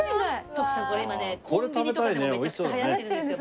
徳さんこれ今ねコンビニとかでもめちゃくちゃ流行ってるんですよ